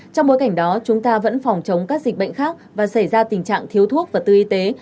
trong bối cảnh đó chúng ta vẫn phòng chống các dịch bệnh khác và xảy ra tình trạng thiếu thuốc và tư y tế